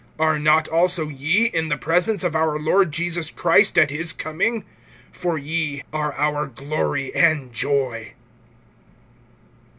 Are not also ye, in the presence of our Lord Jesus Christ at his coming? (20)For ye are our glory and joy.